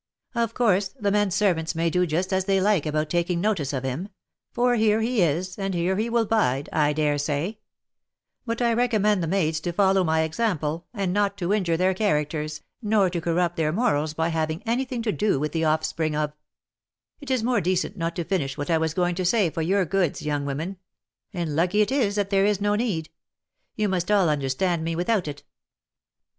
— Of course, the men servants may do just as they like about taking notice of him — for here he is, and here he will bide, I dare say ; but 1 recommend the maids to follow my example, and not to injure their characters, nor to corrupt their morals by having any thing to do with the offspring of It is more decent not to finish what I was going to say for your goods, young women, — and lucky it is that there is no need. You must all understand me without it."